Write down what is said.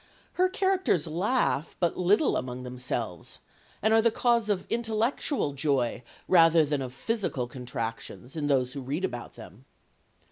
Her characters laugh but little among themselves, and are the cause of intellectual joy rather than of physical contractions in those who read about them.